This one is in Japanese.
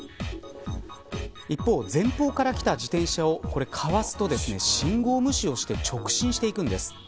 一方、前方からきた自転車をかわすと信号無視をして直進していくんです。